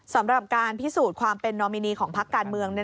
สำหรับการพิสูจน์ความเป็นนอมินีของพักการเมือง